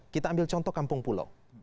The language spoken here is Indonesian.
kita ambil contoh kampung pulau